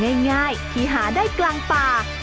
มีพัฒนาง่ายที่หาได้กลางป่า